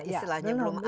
istilahnya belum ada